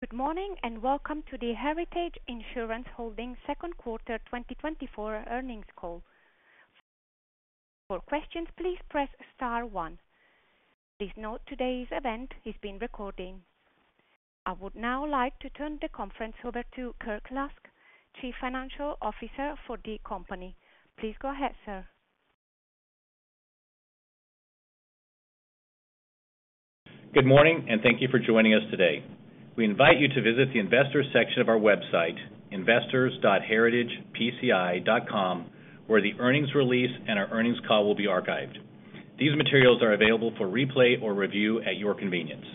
Good morning, and welcome to the Heritage Insurance Holdings Q2 2024 earnings call. For questions, please press Star One. Please note today's event is being recorded. I would now like to turn the conference over to Kirk Lusk, Chief Financial Officer for the company. Please go ahead, sir. Good morning, and thank you for joining us today. We invite you to visit the investor section of our website, investors.heritagepci.com, where the earnings release and our earnings call will be archived. These materials are available for replay or review at your convenience.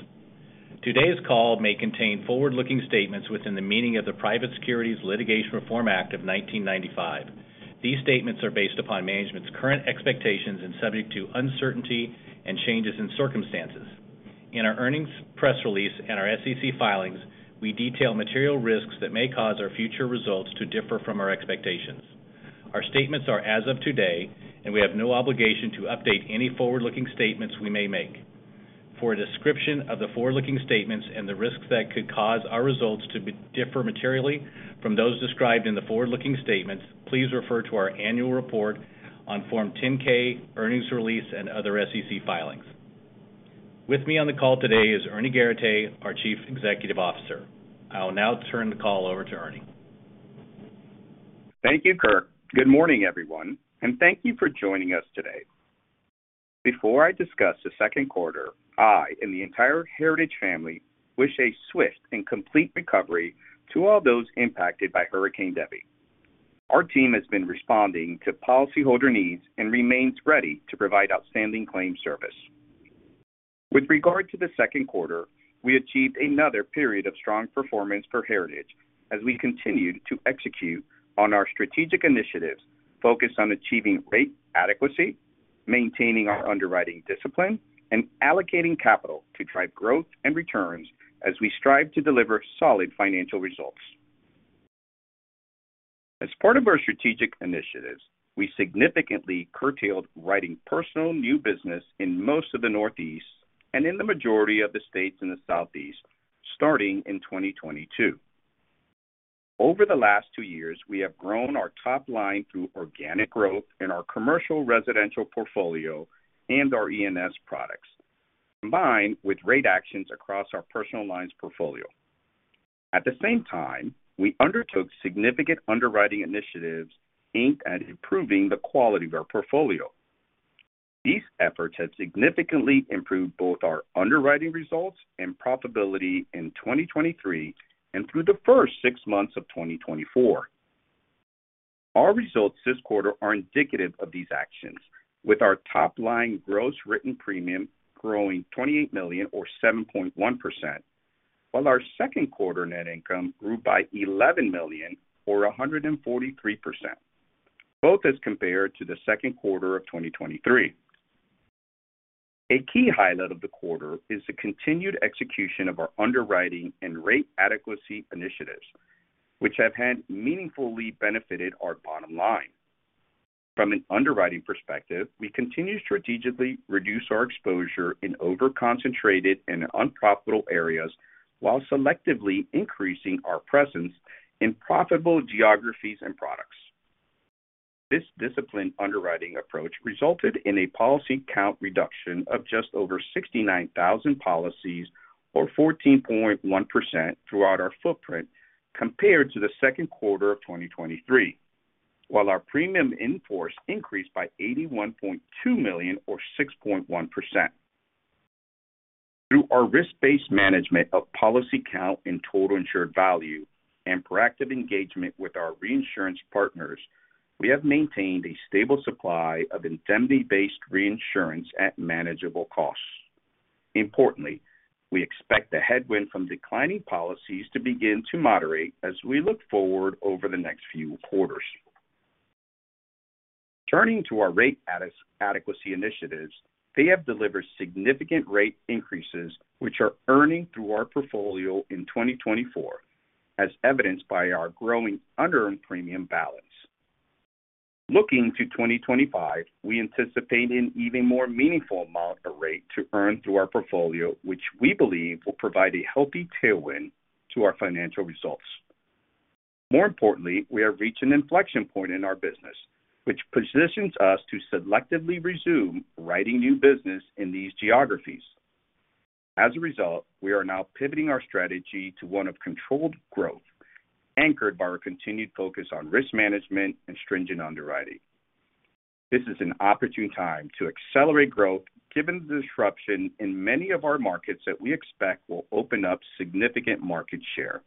Today's call may contain forward-looking statements within the meaning of the Private Securities Litigation Reform Act of 1995. These statements are based upon management's current expectations and subject to uncertainty and changes in circumstances. In our earnings press release and our SEC filings, we detail material risks that may cause our future results to differ from our expectations. Our statements are as of today, and we have no obligation to update any forward-looking statements we may make. For a description of the forward-looking statements and the risks that could cause our results to differ materially from those described in the forward-looking statements, please refer to our annual report on Form 10-K, earnings release, and other SEC filings. With me on the call today is Ernie Garateix, our Chief Executive Officer. I'll now turn the call over to Ernie. Thank you, Kirk. Good morning, everyone, and thank you for joining us today. Before I discuss the Q2, I and the entire Heritage family wish a swift and complete recovery to all those impacted by Hurricane Debby. Our team has been responding to policyholder needs and remains ready to provide outstanding claim service. With regard to the Q2, we achieved another period of strong performance for Heritage as we continued to execute on our strategic initiatives, focused on achieving rate adequacy, maintaining our underwriting discipline, and allocating capital to drive growth and returns as we strive to deliver solid financial results. As part of our strategic initiatives, we significantly curtailed writing personal new business in most of the Northeast and in the majority of the states in the Southeast, starting in 2022. Over the last two years, we have grown our top line through organic growth in our commercial residential portfolio and our E&S products, combined with rate actions across our personal lines portfolio. At the same time, we undertook significant underwriting initiatives aimed at improving the quality of our portfolio. These efforts have significantly improved both our underwriting results and profitability in 2023 and through the first six months of 2024. Our results this quarter are indicative of these actions, with our top-line gross written premium growing $28 million or 7.1%, while our second quarter net income grew by $11 million or 143%, both as compared to the Q2 of 2023. A key highlight of the quarter is the continued execution of our underwriting and rate adequacy initiatives, which have had meaningfully benefited our bottom line. From an underwriting perspective, we continue to strategically reduce our exposure in over-concentrated and unprofitable areas, while selectively increasing our presence in profitable geographies and products. This disciplined underwriting approach resulted in a policy count reduction of just over 69,000 policies or 14.1% throughout our footprint compared to the Q2 of 2023, while our premium in force increased by $81.2 million or 6.1%. Through our risk-based management of policy count and total insured value and proactive engagement with our reinsurance partners, we have maintained a stable supply of indemnity-based reinsurance at manageable costs. Importantly, we expect the headwind from declining policies to begin to moderate as we look forward over the next few quarters. Turning to our rate adequacy initiatives, they have delivered significant rate increases, which are earning through our portfolio in 2024, as evidenced by our growing unearned premium balance. Looking to 2025, we anticipate an even more meaningful amount of rate to earn through our portfolio, which we believe will provide a healthy tailwind to our financial results. More importantly, we have reached an inflection point in our business, which positions us to selectively resume writing new business in these geographies. As a result, we are now pivoting our strategy to one of controlled growth, anchored by our continued focus on risk management and stringent underwriting. This is an opportune time to accelerate growth given the disruption in many of our markets that we expect will open up significant market share.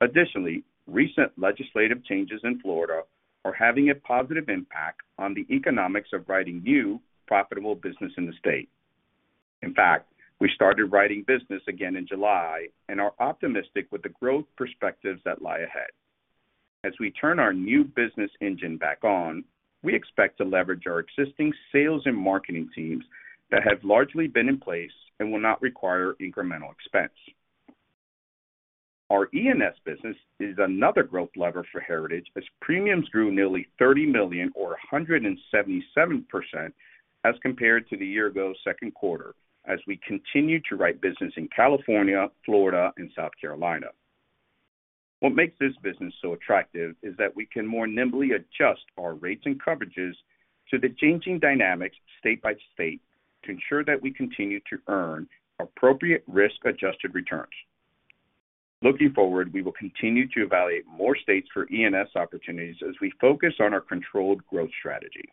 Additionally, recent legislative changes in Florida are having a positive impact on the economics of writing new, profitable business in the state. In fact, we started writing business again in July and are optimistic with the growth perspectives that lie ahead. As we turn our new business engine back on, we expect to leverage our existing sales and marketing teams that have largely been in place and will not require incremental expense. Our E&S business is another growth lever for Heritage, as premiums grew nearly $30 million or 177% as compared to the year-ago Q2, as we continue to write business in California, Florida and South Carolina. What makes this business so attractive is that we can more nimbly adjust our rates and coverages to the changing dynamics state by state, to ensure that we continue to earn appropriate risk-adjusted returns. Looking forward, we will continue to evaluate more states for E&S opportunities as we focus on our controlled growth strategy.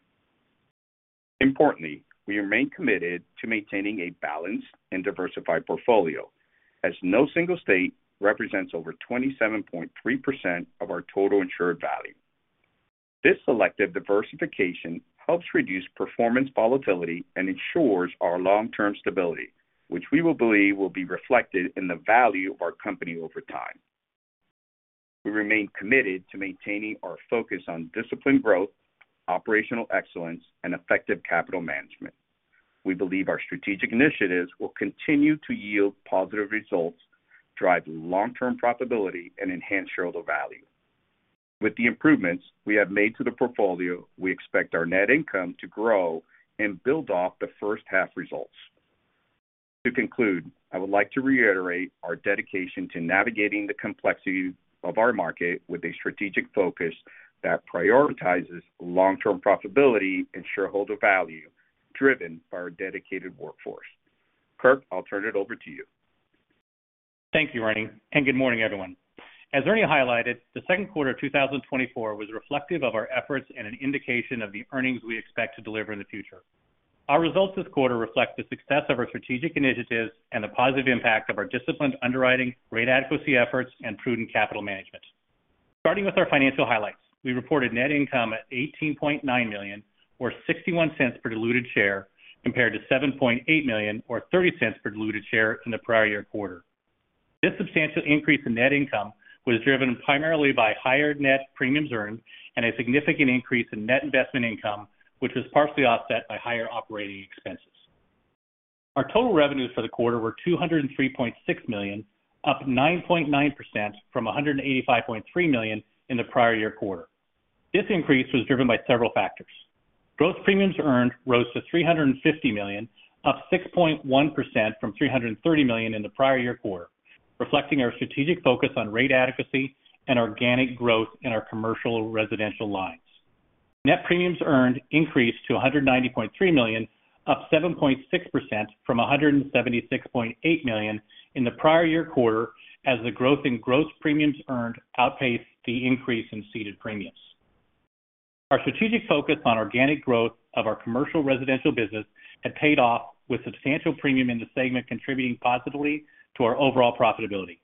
Importantly, we remain committed to maintaining a balanced and diversified portfolio, as no single state represents over 27.3% of our total insured value. This selective diversification helps reduce performance volatility and ensures our long-term stability, which we will believe will be reflected in the value of our company over time. We remain committed to maintaining our focus on disciplined growth, operational excellence, and effective capital management. We believe our strategic initiatives will continue to yield positive results, drive long-term profitability, and enhance shareholder value. With the improvements we have made to the portfolio, we expect our net income to grow and build off the H1 results. To conclude, I would like to reiterate our dedication to navigating the complexities of our market with a strategic focus that prioritizes long-term profitability and shareholder value, driven by our dedicated workforce. Kirk, I'll turn it over to you. Thank you, Ernie, and good morning, everyone. As Ernie highlighted, the Q2 of 2024 was reflective of our efforts and an indication of the earnings we expect to deliver in the future. Our results this quarter reflect the success of our strategic initiatives and the positive impact of our disciplined underwriting, rate adequacy efforts, and prudent capital management. Starting with our financial highlights, we reported net income at $18.9 million, or $0.61 per diluted share, compared to $7.8 million, or $0.30 per diluted share in the prior year quarter. This substantial increase in net income was driven primarily by higher net premiums earned and a significant increase in net investment income, which was partially offset by higher operating expenses. Our total revenues for the quarter were $203.6 million, up 9.9% from $185.3 million in the prior year quarter. This increase was driven by several factors. Gross premiums earned rose to $350 million, up 6.1% from $330 million in the prior year quarter, reflecting our strategic focus on rate adequacy and organic growth in our commercial residential lines. Net premiums earned increased to $190.3 million, up 7.6% from $176.8 million in the prior year quarter, as the growth in gross premiums earned outpaced the increase in ceded premiums. Our strategic focus on organic growth of our commercial residential business had paid off, with substantial premium in the segment contributing positively to our overall profitability.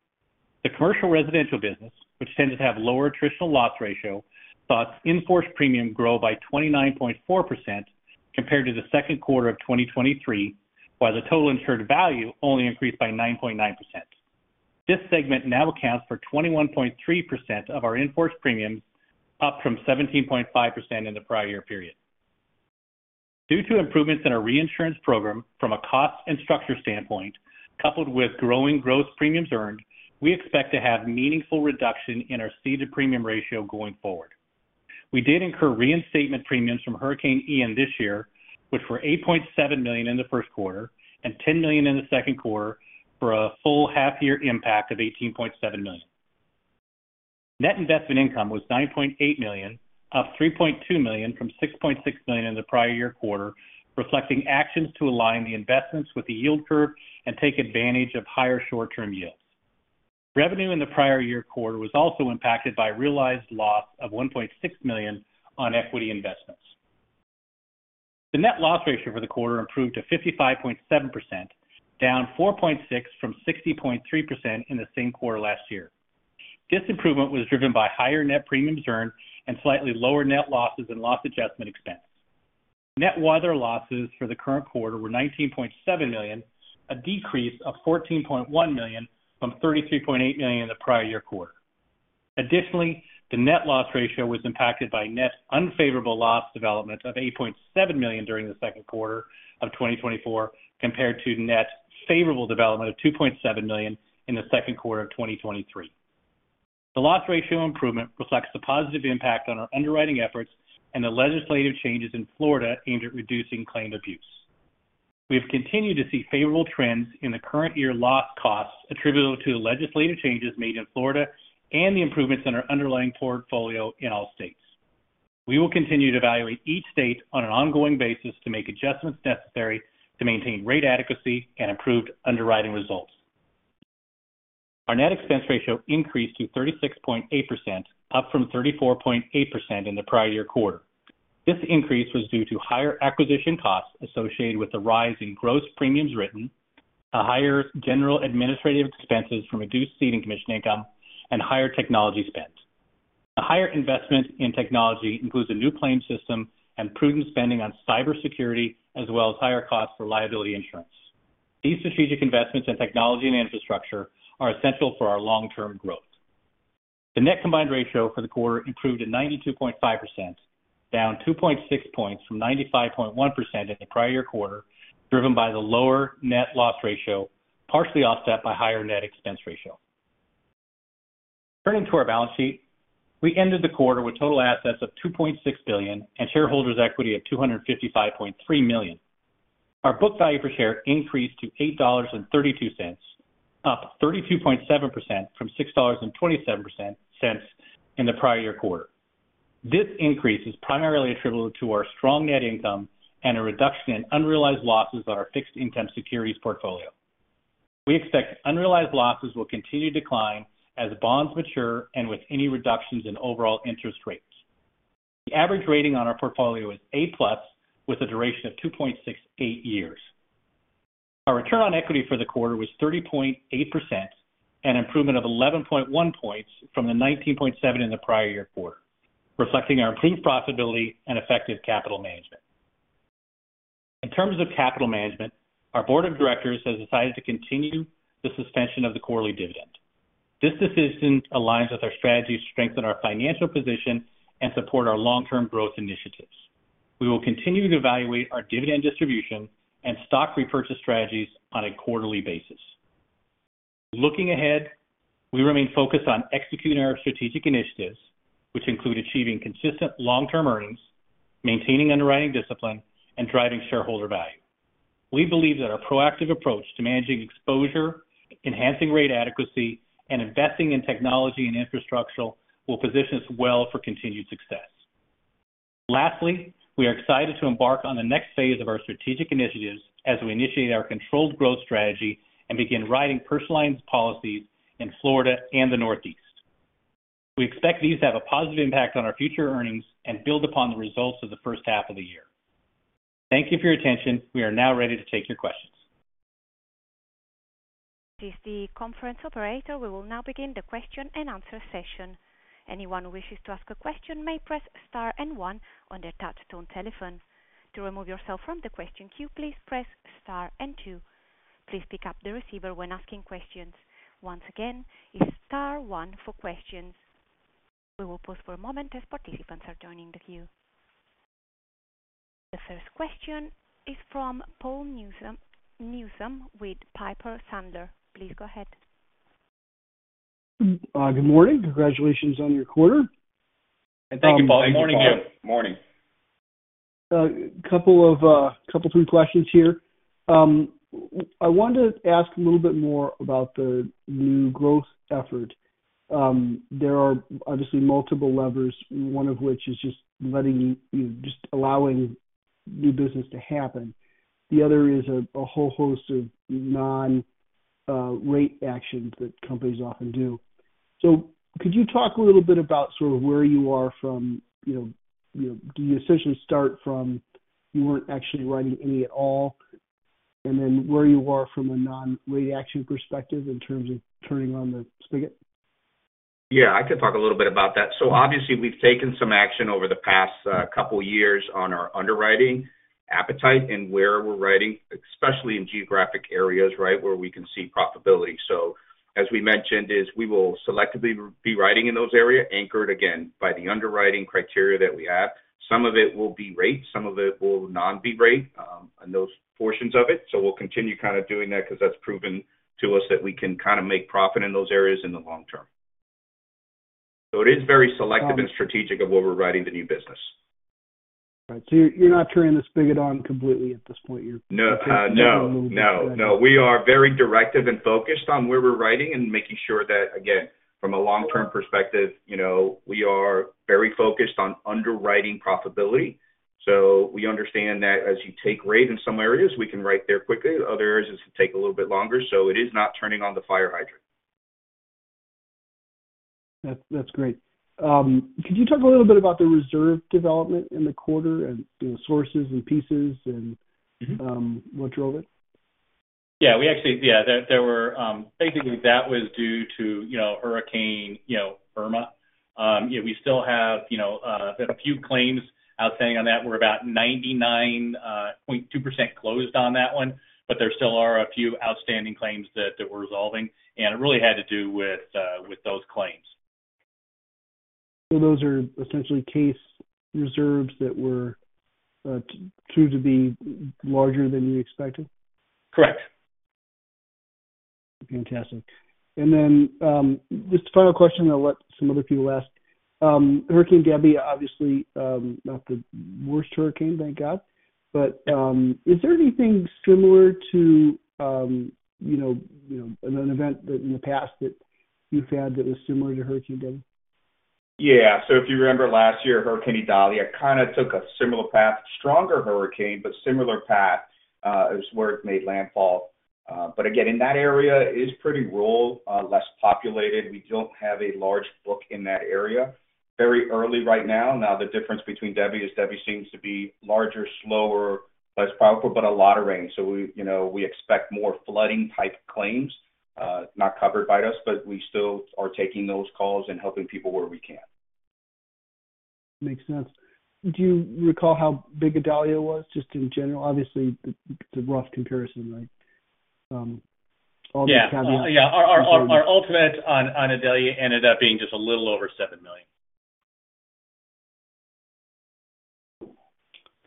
The commercial residential business, which tends to have lower attritional loss ratio, saw its in-force premium grow by 29.4% compared to the Q2 of 2023, while the total insured value only increased by 9.9%. This segment now accounts for 21.3% of our in-force premiums, up from 17.5% in the prior year period. Due to improvements in our reinsurance program from a cost and structure standpoint, coupled with growing gross premiums earned, we expect to have meaningful reduction in our ceded premium ratio going forward. We did incur reinstatement premiums from Hurricane Ian this year, which were $8.7 million in the Q1 and $10 million in the Q2, for a full half year impact of $18.7 million. Net investment income was $9.8 million, up $3.2 million from $6.6 million in the prior year quarter, reflecting actions to align the investments with the yield curve and take advantage of higher short-term yields. Revenue in the prior year quarter was also impacted by realized loss of $1.6 million on equity investments. The net loss ratio for the quarter improved to 55.7%, down 4.6 from 60.3% in the same quarter last year. This improvement was driven by higher net premiums earned and slightly lower net losses and loss adjustment expense. Net weather losses for the current quarter were $19.7 million, a decrease of $14.1 million from $33.8 million in the prior year quarter. Additionally, the net loss ratio was impacted by net unfavorable loss developments of $8.7 million during the Q2 of 2024, compared to net favorable development of $2.7 million in the Q2 of 2023. The loss ratio improvement reflects the positive impact on our underwriting efforts and the legislative changes in Florida aimed at reducing claim abuse. We have continued to see favorable trends in the current year loss costs attributable to the legislative changes made in Florida and the improvements in our underlying portfolio in all states. We will continue to evaluate each state on an ongoing basis to make adjustments necessary to maintain rate adequacy and improved underwriting results. Our net expense ratio increased to 36.8%, up from 34.8% in the prior year quarter. This increase was due to higher acquisition costs associated with the rise in gross premiums written, higher general and administrative expenses from reduced ceding commission income, and higher technology spends. A higher investment in technology includes a new claim system and prudent spending on cybersecurity, as well as higher costs for liability insurance. These strategic investments in technology and infrastructure are essential for our long-term growth. The net combined ratio for the quarter improved to 92.5%, down 2.6 points from 95.1% in the prior year quarter, driven by the lower net loss ratio, partially offset by higher net expense ratio. Turning to our balance sheet, we ended the quarter with total assets of $2.6 billion and shareholders' equity of $255.3 million. Our book value per share increased to $8.32, up 32.7% from $6.27 in the prior year quarter. This increase is primarily attributable to our strong net income and a reduction in unrealized losses on our fixed income securities portfolio. We expect unrealized losses will continue to decline as bonds mature and with any reductions in overall interest rates. The average rating on our portfolio is A+, with a duration of 2.68 years. Our return on equity for the quarter was 30.8%, an improvement of 11.1 points from the 19.7 in the prior year quarter, reflecting our profitability and effective capital management. In terms of capital management, our board of directors has decided to continue the suspension of the quarterly dividend. This decision aligns with our strategy to strengthen our financial position and support our long-term growth initiatives. We will continue to evaluate our dividend distribution and stock repurchase strategies on a quarterly basis. Looking ahead, we remain focused on executing our strategic initiatives, which include achieving consistent long-term earnings, maintaining underwriting discipline, and driving shareholder value. We believe that our proactive approach to managing exposure, enhancing rate adequacy, and investing in technology and infrastructure will position us well for continued success. Lastly, we are excited to embark on the next phase of our strategic initiatives as we initiate our controlled growth strategy and begin writing personal lines policies in Florida and the Northeast. We expect these to have a positive impact on our future earnings and build upon the results of the H1 of the year. Thank you for your attention. We are now ready to take your questions. This is the conference operator. We will now begin the question-and-answer session. Anyone who wishes to ask a question may press Star and One on their touchtone telephone. To remove yourself from the question queue, please press Star and Two. Please pick up the receiver when asking questions. Once again, it's Star One for questions. We will pause for a moment as participants are joining the queue. The first question is from Paul Newsome with Piper Sandler. Please go ahead. Good morning. Congratulations on your quarter. Thank you, Paul. Good morning, you. Morning. Couple of three questions here. I wanted to ask a little bit more about the new growth effort. There are obviously multiple levers, one of which is just letting you, you know, just allowing new business to happen. The other is a whole host of non-rate actions that companies often do. So could you talk a little bit about sort of where you are from, you know, you know, do you essentially start from you weren't actually writing any at all, and then where you are from a non-rate action perspective in terms of turning on the spigot? Yeah, I could talk a little bit about that. So obviously, we've taken some action over the past couple of years on our underwriting appetite and where we're writing, especially in geographic areas, right, where we can see profitability. So as we mentioned, is we will selectively be writing in those areas, anchored, again, by the underwriting criteria that we have. Some of it will be rate, some of it will non-rate, and those portions of it. So we'll continue kind of doing that because that's proven to us that we can kind of make profit in those areas in the long term. So it is very selective and strategic of where we're writing the new business. Right. So you're not turning the spigot on completely at this point, you're- No, no, no, no. We are very directive and focused on where we're writing and making sure that, again, from a long-term perspective, you know, we are very focused on underwriting profitability. So we understand that as you take rate in some areas, we can write there quickly. Other areas take a little bit longer, so it is not turning on the fire hydrant. That, that's great. Could you talk a little bit about the reserve development in the quarter and the sources and pieces and- Mm-hmm. What drove it? Yeah, we actually. Yeah, there were basically that was due to, you know, Hurricane Irma. Yeah, we still have, you know, a few claims outstanding on that. We're about 99.2% closed on that one, but there still are a few outstanding claims that we're resolving, and it really had to do with those claims. So those are essentially case reserves that were proved to be larger than you expected? Correct. Fantastic. And then, just a final question, and I'll let some other people ask. Hurricane Debby, obviously, not the worst hurricane, thank God. But, is there anything similar to, you know, you know, an event that in the past that you've had that was similar to Hurricane Debby? Yeah. So if you remember last year, Hurricane Idalia kind of took a similar path, stronger hurricane, but similar path, as where it made landfall. But again, in that area, it is pretty rural, less populated. We don't have a large book in that area. Very early right now. Now, the difference between Debby is Debby seems to be larger, slower, less powerful, but a lot of rain. So we, you know, we expect more flooding-type claims, not covered by us, but we still are taking those calls and helping people where we can.... Makes sense. Do you recall how big Idalia was, just in general? Obviously, it's a rough comparison, like, all the caveats. Yeah. Our ultimate on Idalia ended up being just a little over $7 million.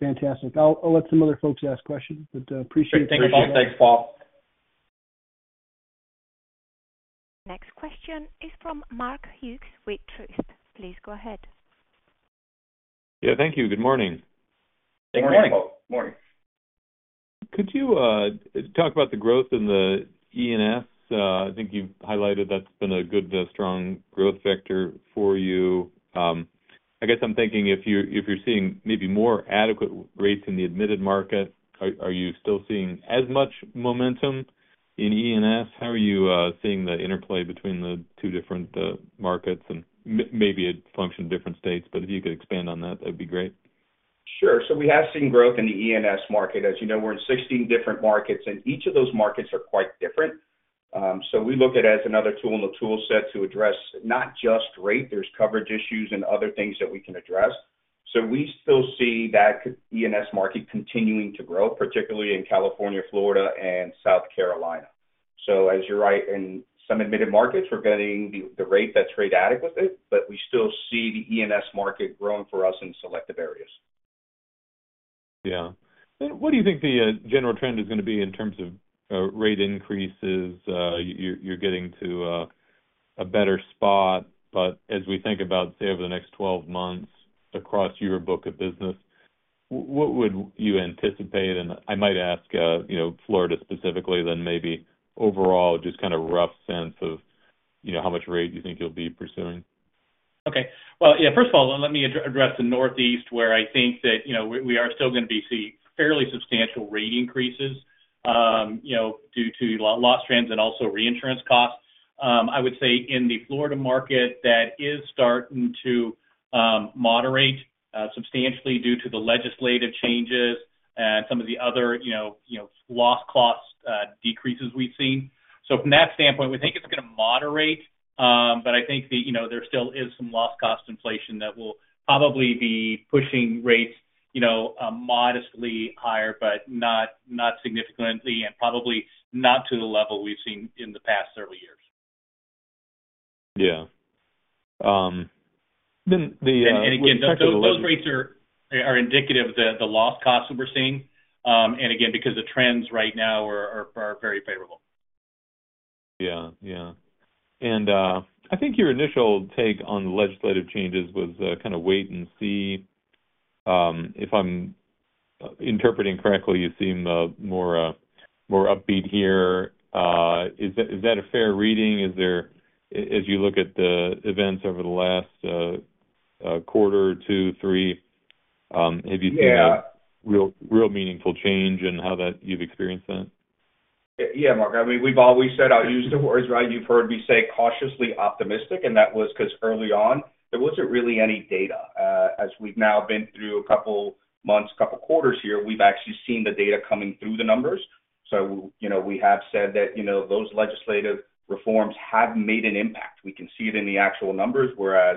Fantastic. I'll let some other folks ask questions, but appreciate it. Thanks, Paul. Next question is from Mark Hughes with Truist. Please go ahead. Yeah, thank you. Good morning. Good morning. Morning. Could you talk about the growth in the E&S? I think you've highlighted that's been a good strong growth vector for you. I guess I'm thinking if you're seeing maybe more adequate rates in the admitted market, are you still seeing as much momentum in E&S? How are you seeing the interplay between the two different markets? And maybe it functions in different states, but if you could expand on that, that'd be great. Sure. So we have seen growth in the E&S market. As you know, we're in 16 different markets, and each of those markets are quite different. So we look at it as another tool in the tool set to address not just rate, there's coverage issues and other things that we can address. So we still see that E&S market continuing to grow, particularly in California, Florida, and South Carolina. So as you're right, in some admitted markets, we're getting the rate that's rate adequate, but we still see the E&S market growing for us in selective areas. Yeah. And what do you think the general trend is going to be in terms of rate increases? You're getting to a better spot, but as we think about, say, over the next 12 months across your book of business, what would you anticipate? And I might ask, you know, Florida specifically, then maybe overall, just kind of rough sense of, you know, how much rate you think you'll be pursuing. Okay. Well, yeah, first of all, let me address the Northeast, where I think that, you know, we are still going to be seeing fairly substantial rate increases, you know, due to loss trends and also reinsurance costs. I would say in the Florida market, that is starting to moderate substantially due to the legislative changes and some of the other, you know, loss cost decreases we've seen. So from that standpoint, we think it's going to moderate, but I think that, you know, there still is some loss cost inflation that will probably be pushing rates, you know, modestly higher, but not significantly, and probably not to the level we've seen in the past several years. Yeah. Then the, And again, those rates are indicative of the loss costs that we're seeing. And again, because the trends right now are very favorable. Yeah. Yeah. And I think your initial take on the legislative changes was kind of wait and see. If I'm interpreting correctly, you seem more upbeat here. Is that a fair reading? Is there... As you look at the events over the last quarter, two, three, have you seen- Yeah... real, real meaningful change in how that you've experienced that? Yeah, Mark. I mean, we've always said, I'll use the words, right? You've heard me say, cautiously optimistic, and that was because early on, there wasn't really any data. As we've now been through a couple months, couple quarters here, we've actually seen the data coming through the numbers. So you know, we have said that, you know, those legislative reforms have made an impact. We can see it in the actual numbers, whereas,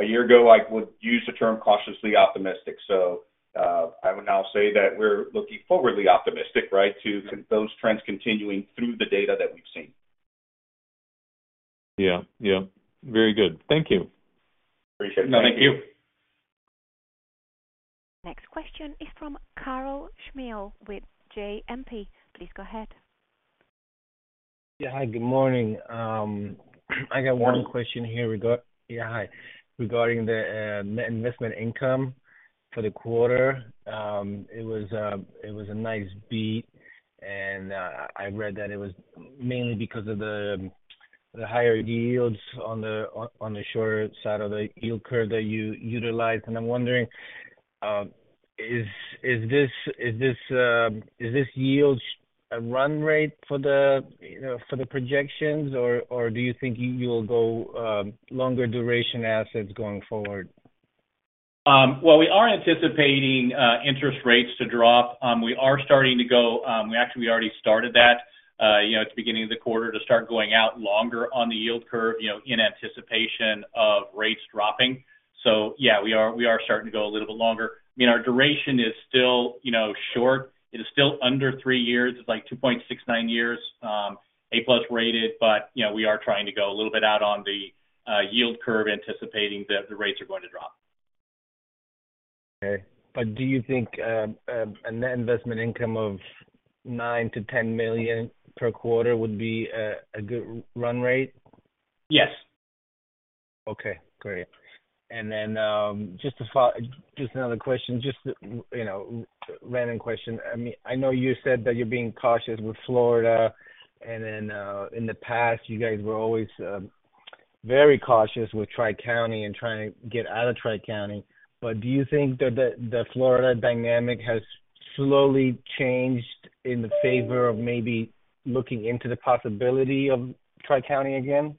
a year ago, I would use the term cautiously optimistic. So, I would now say that we're looking forwardly optimistic, right? To those trends continuing through the data that we've seen. Yeah. Yeah. Very good. Thank you. Appreciate it. Thank you. Next question is from Karol Chmiel with JMP. Please go ahead. Yeah, hi, good morning. Regarding the net investment income for the quarter. It was a nice beat, and I read that it was mainly because of the higher yields on the shorter side of the yield curve that you utilized. And I'm wondering, is this yield a run rate for the, you know, for the projections, or do you think you will go longer duration assets going forward? Well, we are anticipating interest rates to drop. We are starting to go... We actually, we already started that, you know, at the beginning of the quarter, to start going out longer on the yield curve, you know, in anticipation of rates dropping. So yeah, we are, we are starting to go a little bit longer. I mean, our duration is still, you know, short. It is still under three years. It's like 2.69 years, A+ rated, but, you know, we are trying to go a little bit out on the yield curve, anticipating that the rates are going to drop. Okay. But do you think a net investment income of $9 million-$10 million per quarter would be a good run rate? Yes. Okay, great. And then, just to follow. Just another question, just, you know, random question. I mean, I know you said that you're being cautious with Florida, and then, in the past, you guys were always very cautious with Tri-County and trying to get out of Tri-County. But do you think that the Florida dynamic has slowly changed in the favor of maybe looking into the possibility of Tri-County again?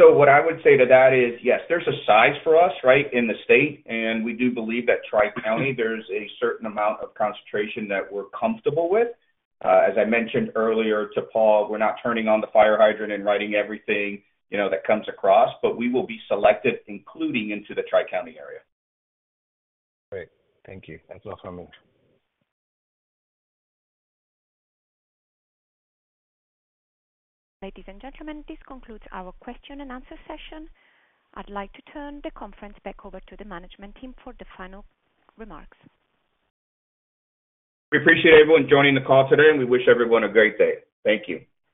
So what I would say to that is, yes, there's a size for us, right, in the state, and we do believe that Tri-County, there's a certain amount of concentration that we're comfortable with. As I mentioned earlier to Paul, we're not turning on the fire hydrant and writing everything, you know, that comes across, but we will be selective, including into the Tri-County area. Great. Thank you. That's all for me. Ladies and gentlemen, this concludes our question and answer session. I'd like to turn the conference back over to the management team for the final remarks. We appreciate everyone joining the call today, and we wish everyone a great day. Thank you.